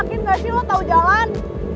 hah lo yakin gak sih lo tau jalan